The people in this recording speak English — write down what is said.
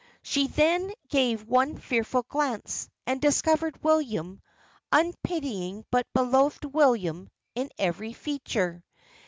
She then gave one fearful glance, and discovered William, unpitying but beloved William, in every feature!